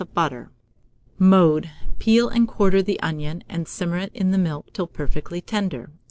of butter. Mode. Peel and quarter the onion, and simmer it in the milk till perfectly tender.